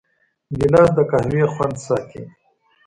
ګیلاس د قهوې خوند ساتي.